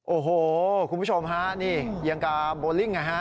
โอ้โหคุณผู้ชมฮะนี่ยังกาโบลิ่งไงฮะ